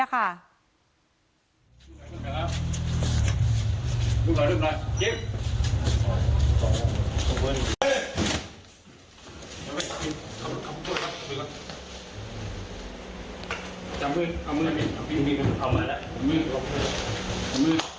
ยังโดนทำร้ายไบล่าจะยกเชื้อหมดเลย